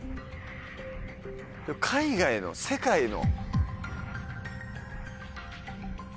海外の世界の。